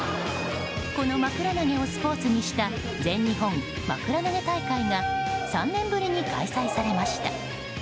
このまくら投げをスポーツにした全日本まくら投げ大会が３年ぶりに開催されました。